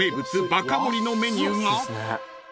バカ盛りのメニューが］